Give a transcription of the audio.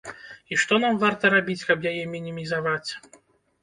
І што нам варта рабіць, каб яе мінімізаваць?